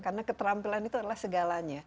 karena keterampilan itu adalah segalanya